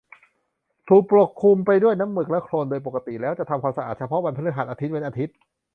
ถูกปกคลุมไปด้วยน้ำหมึกและโคลนโดยปกติแล้ว จะทำความสะอาดเฉพาะวันพฤหัส อาทิตย์เว้นอาทิตย์